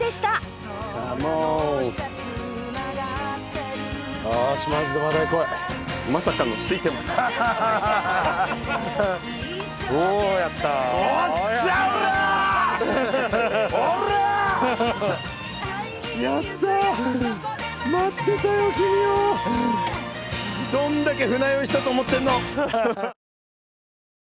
どんだけ船酔いしたと思ってんの！